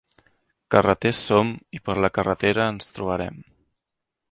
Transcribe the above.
Carreters som i per la carretera ens trobarem.